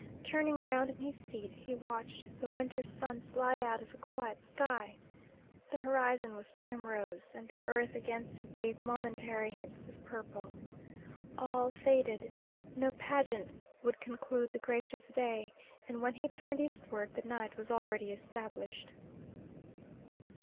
Turning round in his seat, he watched the winter sun slide out of a quiet sky. The horizon was primrose, and the earth against it gave momentary hints of purple. All faded: no pageant would conclude the gracious day, and when he turned eastward the night was already established.